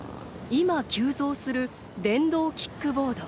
今急増する電動キックボード。